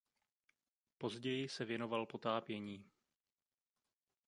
Později se věnoval potápění.